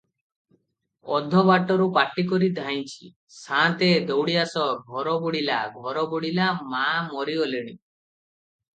ଅଧବାଟରୁ ପାଟିକରି ଧାଇଁଛି- "ସାନ୍ତେ, ଦଉଡ଼ି ଆସ, ଘର ବୁଡ଼ିଲା, ଘର ବୁଡ଼ିଲା, ମା ମରିଗଲେଣି ।"